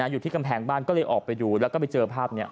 อยู่ที่กำแพงบ้านก็เลยออกไปดูแล้วก็ไปเจอภาพนี้